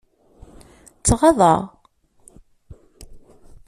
Tɣaḍ-aɣ.